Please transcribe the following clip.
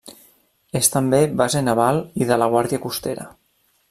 És també base naval i de la Guàrdia Costera.